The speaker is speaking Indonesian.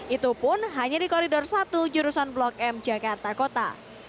itu pun hanya di koridor satu jurusan blok m jakarta kota